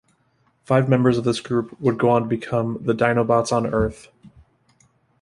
Five members of this group would go on to become the Dinobots on Earth.